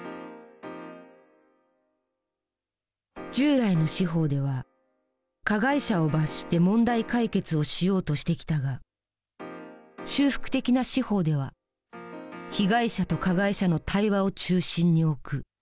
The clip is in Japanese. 従来の司法では加害者を罰して問題解決をしようとしてきたが修復的な司法では被害者と加害者の対話を中心に置く。